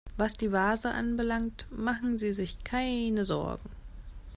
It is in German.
Was die Vase anbelangt, machen Sie sich keine Sorgen.